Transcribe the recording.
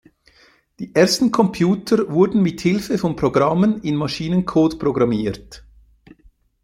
Die ersten Computer wurden mit Hilfe von Programmen in Maschinencode programmiert.